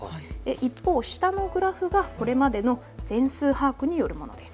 一方、下のグラフがこれまでの全数把握によるものです。